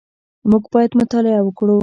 موږ باید مطالعه وکړو